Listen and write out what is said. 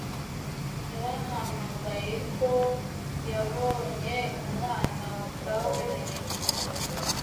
yarahamagaye ko yabonye umwana watawe na nyina